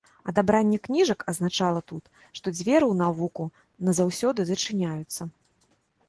Адабранне кніжак азначала тут, што дзверы ў навуку назаўсёды зачыняюцца.